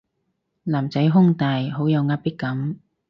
男仔胸大好有壓迫感